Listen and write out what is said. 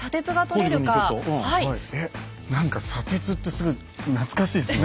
何か砂鉄ってすごい懐かしいですね。